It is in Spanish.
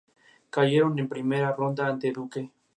No tienen dientes palatales.